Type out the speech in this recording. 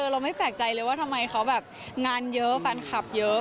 เราไม่แปลกใจเลยว่าทำไมเขาแบบงานเยอะแฟนคลับเยอะ